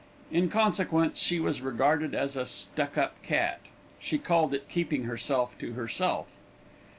In consequence, she was regarded as "a stuck up cat"; she called it keeping herself to herself.